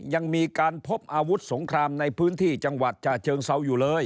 ยังมีการพบอาวุธสงครามในพื้นที่จังหวัดชาเชิงเซาอยู่เลย